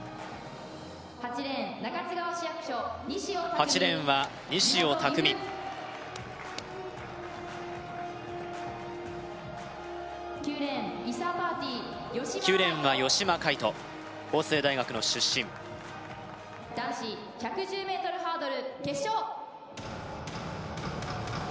８レーンは西尾拓巳９レーンは吉間海斗法政大学の出身男子１１０ｍハードル決勝